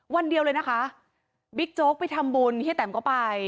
วันเดียวเลยนะคะบิ๊กโจ๊กไปทำบุญเฮียแตมก็ไป